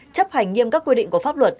chấp hành nghiêm các quy định của pháp luật